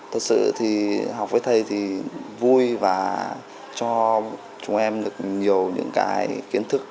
thật sự thì học với thầy thì vui và cho chúng em được nhiều những cái kiến thức